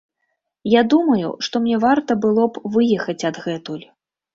Я думаю, што мне варта было б выехаць адгэтуль.